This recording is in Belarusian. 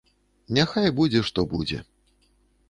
Няхай будзе, што будзе.